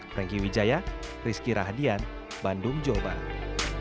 franky wijaya rizky rahadian bandung jawa barat